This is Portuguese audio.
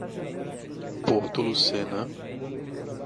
Porto Lucena